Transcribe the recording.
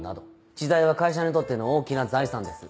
知財は会社にとっての大きな財産です。